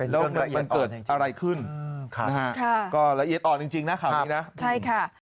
แล้วมันเกิดอะไรขึ้นรายละเอียดอ่อนจริงนะข่าวนี้นะ